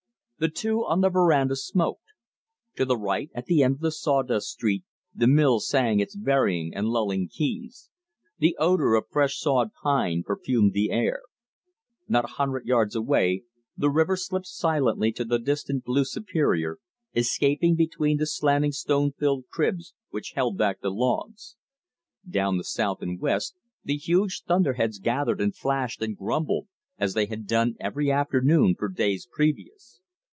The two on the veranda smoked. To the right, at the end of the sawdust street, the mill sang its varying and lulling keys. The odor of fresh sawed pine perfumed the air. Not a hundred yards away the river slipped silently to the distant blue Superior, escaping between the slanting stone filled cribs which held back the logs. Down the south and west the huge thunderheads gathered and flashed and grumbled, as they had done every afternoon for days previous.